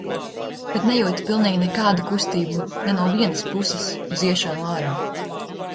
Bet nejūtu pilnīgi nekādu kustību ne no vienas puses uz iešanu ārā.